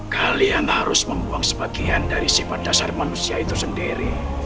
kalian harus membuang sebagian dari sifat dasar manusia itu sendiri